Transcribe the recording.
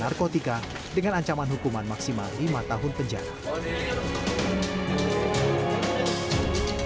moody terkotika dengan ancaman hukuman maksimal lima tahun penjara